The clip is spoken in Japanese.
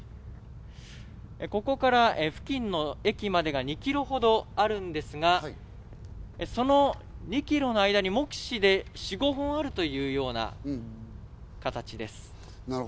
ここから付近の駅までが２キロほどあるんですが、その２キロの間に目視で４５本あるというような形です。